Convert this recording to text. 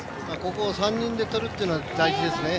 ここを３人でとるっていうのが大事ですね。